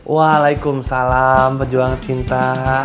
waalaikumussalam pejuang cinta